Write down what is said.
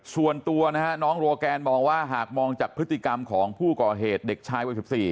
ส่วนตัวนะฮะน้องโรแกนมองว่าหากมองจากพฤติกรรมของผู้ก่อเหตุเด็กชายวัย๑๔